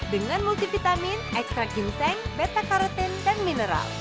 dengan multivitamin ekstrak ginseng beta karotin dan mineral